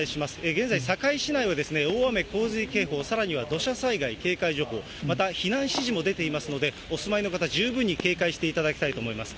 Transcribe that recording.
現在、堺市内は大雨洪水警報、さらには土砂災害警戒情報、また避難指示も出ていますので、お住まいの方、十分に警戒していただきたいと思います。